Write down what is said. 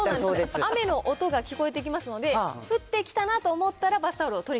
雨の音が聞こえてきますので、降ってきたなと思ったらバスタ